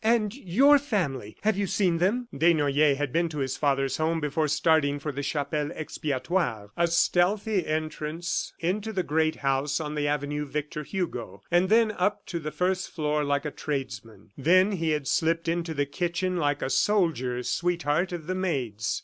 "And your family? Have you seen them?" ... Desnoyers had been to his father's home before starting for the Chapelle Expiatoire. A stealthy entrance into the great house on the avenue Victor Hugo, and then up to the first floor like a tradesman. Then he had slipt into the kitchen like a soldier sweetheart of the maids.